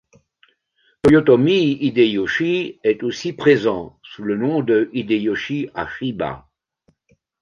Toyotomi Hideyoshi est aussi présent, sous le nom de Hideyoshi Hashiba.